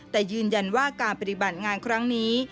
แต่ยืนยันว่าการปฏิบัติงานครั้งนี้